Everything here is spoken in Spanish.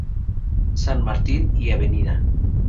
San Martin, y Av.